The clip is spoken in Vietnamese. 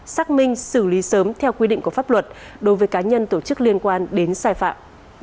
xác minh xử lý sớm theo quy định của pháp luật đối với cá nhân tổ chức liên quan đến sai phạm